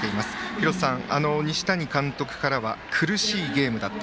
廣瀬さん、西谷監督からは苦しいゲームだった。